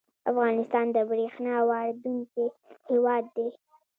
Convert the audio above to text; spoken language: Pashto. افغانستان د بریښنا واردونکی هیواد دی